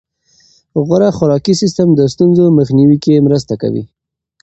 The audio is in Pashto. غوره خوراکي سیستم د ستونزو مخنیوي کې مرسته کوي.